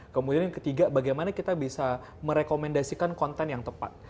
kemudian yang ketiga bagaimana kita bisa merekomendasikan konten yang tepat